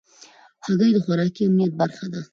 هګۍ د خوراکي امنیت برخه ده.